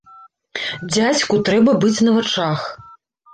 Дзядзьку трэба быць на вачах.